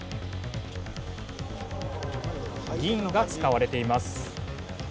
銀が使われています。